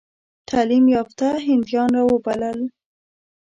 تعلیم یافته هندیان را وبلل.